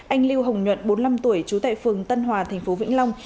anh lưu hồng nhuận bốn mươi năm tuổi trú tại phường tân hòa tp vĩnh long